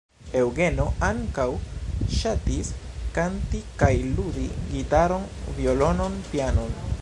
Eŭgeno ankaŭ ŝatis kanti kaj ludi gitaron, violonon, pianon.